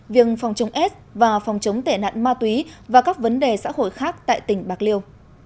viên phòng chống s và phòng chống tệ nạn ma túy và các vấn đề xã hội khác tại tỉnh bạc liêu